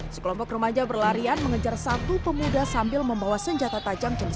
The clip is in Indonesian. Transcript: sekelompok remaja berlarian mengejar satu pemuda sambil membawa senjata tajam jenis